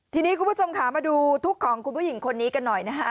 ทีนี้คุณผู้ชมค่ะมาดูทุกข์ของคุณผู้หญิงคนนี้กันหน่อยนะฮะ